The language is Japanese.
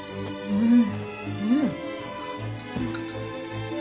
うん！